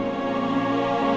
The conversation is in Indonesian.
aku mau makan